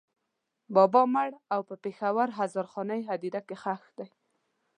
بابا مړ او په پېښور هزارخانۍ هدېره کې ښخ دی.